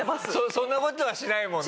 そんな事はしないもんね。